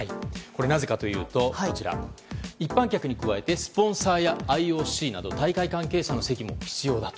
なぜかというと一般客に加えてスポンサーやＩＯＣなど大会関係者の席も必要だと。